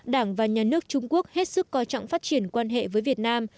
đảng và nhà nước trung quốc hết sức coi trọng phát triển quan hệ với việt nam